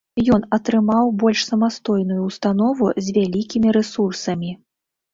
Ён атрымаў больш самастойную ўстанову з вялікімі рэсурсамі.